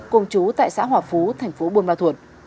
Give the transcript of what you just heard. cùng chú tại xã hòa phú thành phố buôn ma thuột